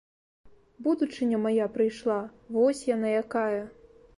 Будучыня мая прыйшла, вось яна якая!